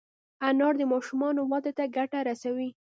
انار د ماشومانو وده ته ګټه رسوي.